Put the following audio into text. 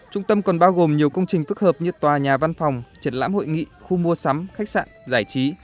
trung tâm còn bao gồm nhiều công trình phức hợp như tòa nhà văn phòng triển lãm hội nghị khu mua sắm khách sạn giải trí